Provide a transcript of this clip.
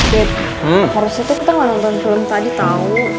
babe harusnya tuh kita gak nonton film tadi tau